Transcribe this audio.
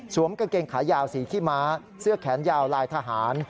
กางเกงขายาวสีขี้ม้าเสื้อแขนยาวลายทหาร